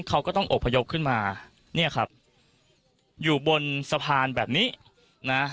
เขาก็ต้องอบพยพขึ้นมาเนี่ยครับอยู่บนสะพานแบบนี้นะ